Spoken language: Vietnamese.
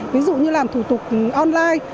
ví dụ như làm thủ tục online